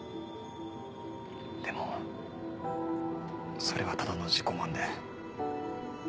でもそれはただの自己満で。